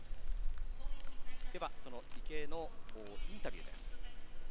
では、池江のインタビューです。